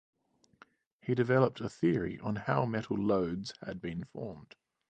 He developed a theory on how metal lodes had been formed.